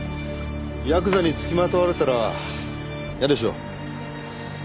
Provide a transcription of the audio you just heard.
ヤクザにつきまとわれたら嫌でしょう？